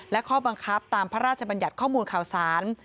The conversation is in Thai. และข้อบังคับตามพระราชบัญญัติข้อมูลข่าวสาร